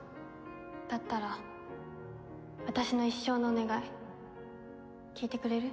だったら私の一生のお願い聞いてくれる？